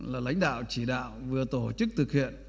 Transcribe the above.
là lãnh đạo chỉ đạo vừa tổ chức thực hiện